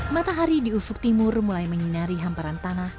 matahari di ufuk timur mulai menyinari hamparan tanah